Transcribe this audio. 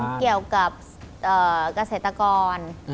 เรื่องเกี่ยวกับเกษตรกร